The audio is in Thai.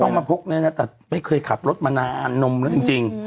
เอามาพกไม่ได้นะนะแต่ไม่เคยขับรถมานานนมแล้วจริง